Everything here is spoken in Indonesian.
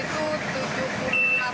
satu itu tujuh puluh delapan liter